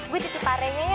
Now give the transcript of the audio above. gue titip parenya ya